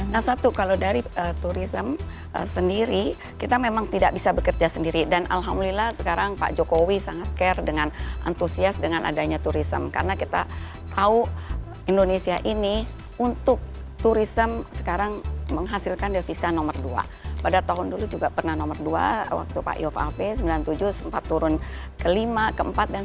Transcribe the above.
nah satu kalau dari turism sendiri kita memang tidak bisa bekerja sendiri dan alhamdulillah sekarang pak jokowi sangat care dengan antusias dengan adanya turism karena kita tahu indonesia ini untuk turism sekarang menghasilkan devisa nomor dua pada tahun dulu juga pernah nomor dua waktu pak yof ape sembilan puluh tujuh sempat turun kelima keempat dan sebagainya